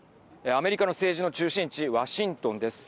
アメリカの政治の中心地ワシントンです。